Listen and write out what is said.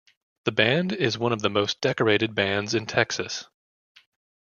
The band is one of the most decorated bands in Texas.